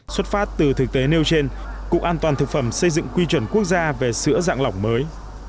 xuất phát từ thực tế nêu trên cục an toàn thực phẩm xây dựng quy chuẩn quốc gia về sữa dạng lỏng mới